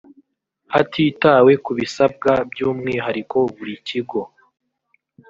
hatitawe ku bisabwa by umwihariko buri kigo